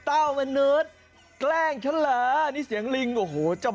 โอ้โหโห